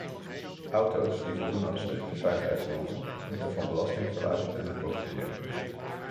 Auto's die voldoen aan strikte veiligheidsnormen moeten van belastingverlaging kunnen profiteren.